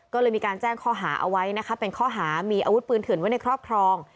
ก็เลยมีการแจ้งข้อหาเอาไว้นะคะเป็นข้อหามีอาวุธปืนเถื่อนไว้ในครอบครอง